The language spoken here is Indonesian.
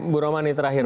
bu romani terakhir